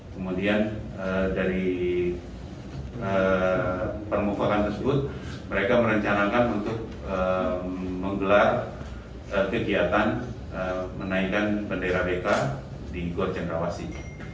kemudian dari permukaan tersebut mereka merencanakan untuk menggelar kegiatan menaikkan bendera mereka di gorjendrawasi